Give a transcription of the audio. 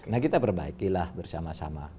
nah kita perbaikilah bersama sama